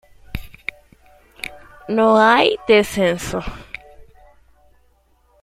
No hay descensos.